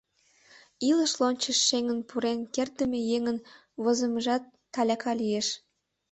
Илыш лончыш шеҥын пурен кертдыме еҥын возымыжат таляка лиеш.